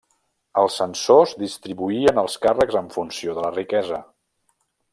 Els censors distribuïen els càrrecs en funció de la riquesa.